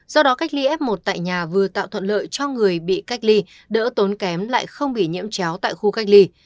do đó cách ly f một tại nhà vừa tạo thuận lợi cho người bị cách ly đỡ tốn kém lại không bị nhiễm chéo tại khu cách ly